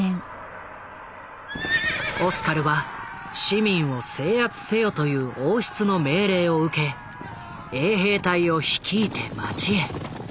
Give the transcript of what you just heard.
オスカルは市民を制圧せよという王室の命令を受け衛兵隊を率いて街へ。